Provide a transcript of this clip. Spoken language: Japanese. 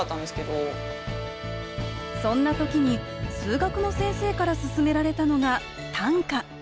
そんな時に数学の先生から薦められたのが短歌。